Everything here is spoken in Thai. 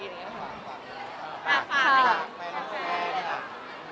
ภาคภาคมายังไงครับ